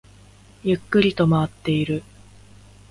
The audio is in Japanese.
ゆっくりと回っている